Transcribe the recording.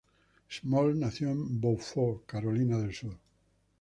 Smalls nació en Beaufort, Carolina del Sur.